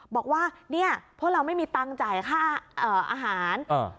บอกว่าเนี่ยพวกเราไม่มีตังค์จ่ายค่าอาหาร